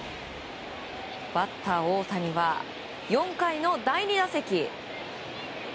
バッター大谷は４回の第２打席。